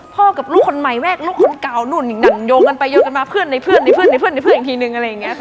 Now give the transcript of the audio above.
พ่อกับลูกคนใหม่แม่กับลูกคนเก่านุ่น